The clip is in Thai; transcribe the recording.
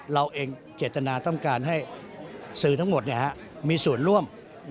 เราเองเจตนาต้องการให้สื่อทั้งหมดมีส่วนร่วม